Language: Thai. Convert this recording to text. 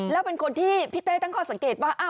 แล้วเป็นคนที่พี่เต้ตั้งข้อสังเกตว่า